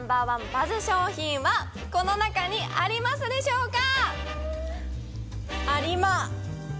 バズ商品はこの中にありますでしょうか？